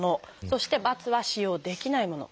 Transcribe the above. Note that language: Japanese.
そして「×」は使用できないもの。